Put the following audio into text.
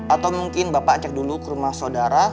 atau mungkin bapak cek dulu ke rumah saudara